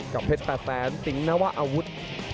กับเพชรแปดแฟนติ๊งนวะอาวุธ